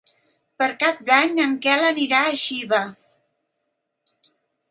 Per Cap d'Any en Quel anirà a Xiva.